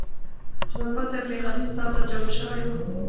چې پر پاسه یې پرې غلیظ ساس اچول شوی و.